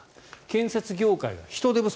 建設業界が人手不足。